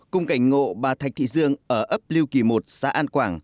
cùng cảnh ngộ bà thạch thị dương ở ấp liêu kỳ một xã an quảng